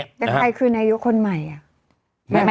แต่ใครคือในยุคคนใหม่